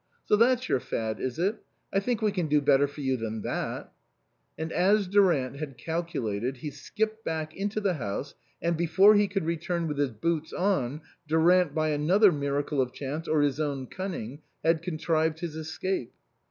"So that's your fad, is it? I think we can do better for you than that." And as Durant had calculated he skipped back into the house, and before he could return with his boots on, Durant, by another miracle of chance or his own cunning, had contrived his escape.